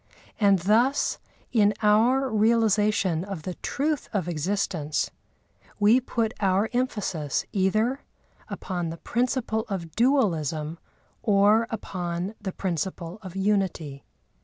And thus, in our realisation of the truth of existence, we put our emphasis either upon the principle of dualism or upon the principle of unity.